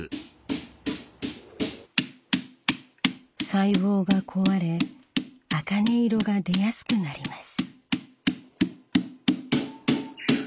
細胞が壊れ茜色が出やすくなります。